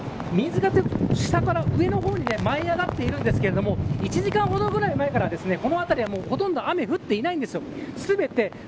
水が下から上の方に舞い上がっているんですが１時間ほどぐらい前からこの辺りは、ほとんど雨が降っていないんです。